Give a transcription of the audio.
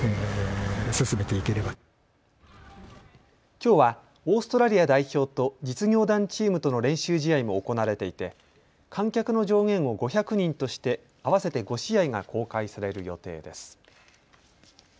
きょうはオーストラリア代表と実業団チームとの練習試合も行われていて観客の上限を５００人として合わせて５試合が公開される予定です。